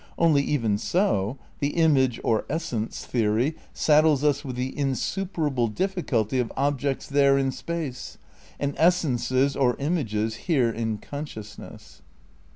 Only, even so, the image (or essence) theory saddles us with the insuperable difficulty of ob jects there in space, and essences (or images) here in consciousness.